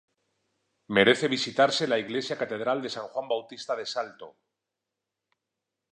Merece visitarse la Iglesia Catedral de San Juan Bautista de Salto.